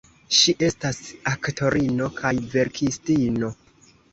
Ŝi estas aktorino kaj verkistino.